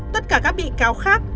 tất cả các bị cáo khác